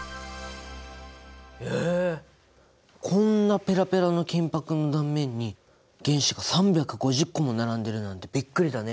こんなペラペラの金ぱくの断面に原子が３５０個も並んでるなんてびっくりだね。